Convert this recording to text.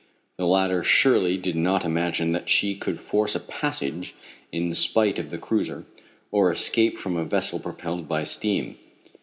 The latter surely did not imagine that she could force a passage in spite of the cruiser, or escape from a vessel propelled by steam.